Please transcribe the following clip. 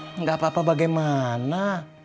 tidak apa apa bagaimana